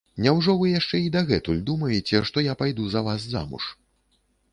Няўжо вы яшчэ і дагэтуль думаеце, што я пайду за вас замуж?